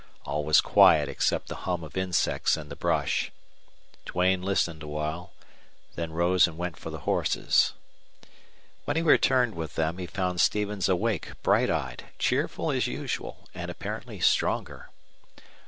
All was quiet except the hum of insects in the brush. Duane listened awhile, then rose and went for the horses. When he returned with them he found Stevens awake, bright eyed, cheerful as usual, and apparently stronger.